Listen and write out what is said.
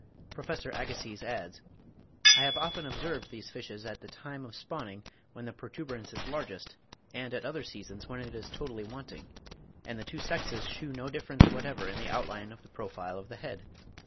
Professor Agassiz adds, "I have often observed these fishes at the time of spawning when the protuberance is largest, and at other seasons when it is totally wanting, and the two sexes shew no difference whatever in the outline of the profile of the head.